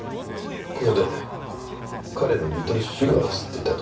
ここで彼のリトルシガーを吸っていたと。